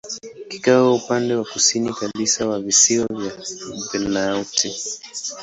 Kiko upande wa kusini kabisa wa visiwa vya Vanuatu.